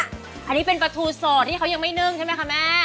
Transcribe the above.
อันนี้เป็นปลาทูโสดที่เขายังไม่นึ่งใช่ไหมคะแม่